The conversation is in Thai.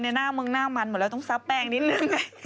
หน้ามึงหน้ามันหมดแล้วต้องซับแป้งนิดนึงไง